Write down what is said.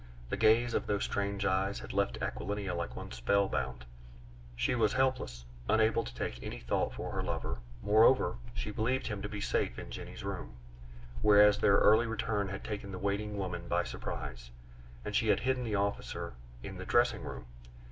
The gaze of those strange eyes had left Aquilina like one spellbound; she was helpless, unable to take any thought for her lover; moreover, she believed him to be safe in Jenny's room, whereas their early return had taken the waiting woman by surprise, and she had hidden the officer in the dressing room.